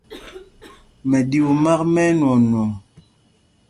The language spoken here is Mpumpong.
Mɛɗyuu māk mɛ́ ɛnwɔɔnwɔŋ.